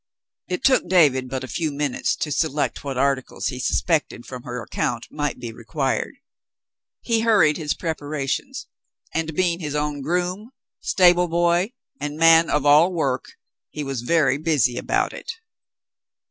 It took David but a few minutes to select what articles he suspected, from her account, might be required. He hurried his preparations, and, being his own groom, stable boy, and man of all work, he was very busy about it.